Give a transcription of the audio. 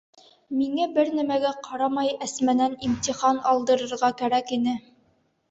Миңә бер нәмәгә ҡарамай Әсмәнән имтихан алдырырға кәрәк ине.